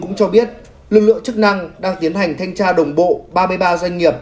cũng cho biết lực lượng chức năng đang tiến hành thanh tra đồng bộ ba mươi ba doanh nghiệp